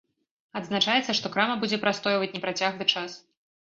Адзначаецца, што крама будзе прастойваць непрацяглы час.